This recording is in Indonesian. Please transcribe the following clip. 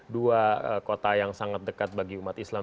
dua kota yang sangat dekat bagi umat islam